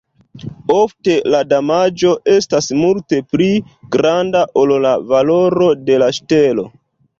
Ofte la damaĝo estas multe pli granda ol la valoro de la ŝtelo.